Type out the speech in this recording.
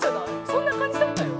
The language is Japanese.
そんな感じだったよ。